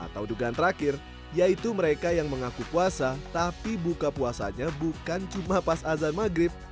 atau dugaan terakhir yaitu mereka yang mengaku puasa tapi buka puasanya bukan cuma pas azan maghrib